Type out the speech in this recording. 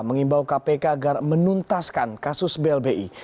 mengimbau kpk agar menuntaskan kasus blbi